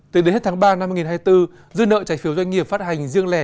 từ đến hết tháng ba năm hai nghìn hai mươi bốn dư nợ trái phiếu doanh nghiệp phát hành riêng lẻ